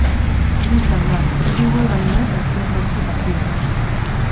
Bistan da, hiru gol baino ez azken zortzi partidatan.